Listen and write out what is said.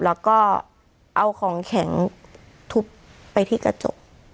แล้วก็เอาของแข็งทุบไปที่กระจก